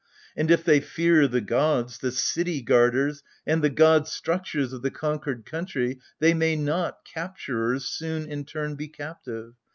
And if they fear the gods, the city guarders, And the gods' structures of the conquered country, They may not — capturers — soon in turn be captive.